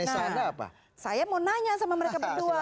nah saya mau nanya sama mereka berdua